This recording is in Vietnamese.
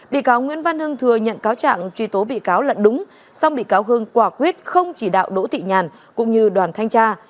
bị cáo nguyễn văn hưng thừa nhận cáo trạng truy tố bị cáo lận đúng xong bị cáo hưng quả quyết không chỉ đạo đỗ thị nhàn cũng như đoàn thanh tra